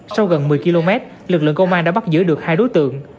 sau gần một mươi km lực lượng công an đã bắt giữ được hai đối tượng